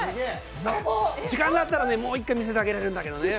時間があったらもう一回見せてあげられるんだけどね。